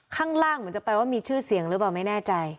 ข้างล่างเหมือนจะแปลว่ามีชื่อเสียงหรือเปล่าไม่แน่ใจ